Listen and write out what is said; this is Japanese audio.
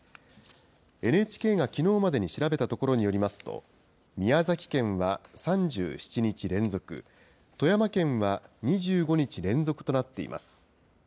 ＮＨＫがきのうまでに調べたところによりますと、宮崎県は３７日連続、富山県は２５日連続となっています。